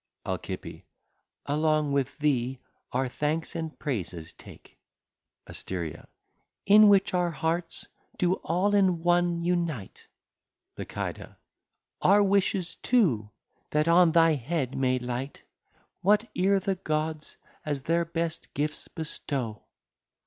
Alci. Along with thee our Thanks and Praises take. Aste. In which our Hearts do all in One unite. Lici. Our Wishes too, That on thy Head may light, What e're the Gods as their Best Gifts bestow.